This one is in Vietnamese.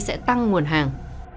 sẽ tăng nguồn hàng